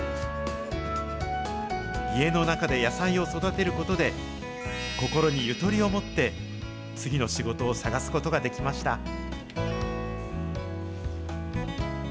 家の中で野菜を育てることで、心のゆとりを持って、次の仕事を探すことができました。